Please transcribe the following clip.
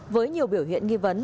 với nhiều biểu hiện nghi vấn